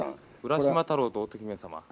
浦島太郎と乙姫様。